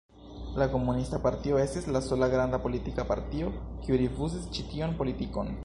La komunista partio estis la sola granda politika partio, kiu rifuzis ĉi tion politikon.